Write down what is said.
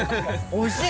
おいしい！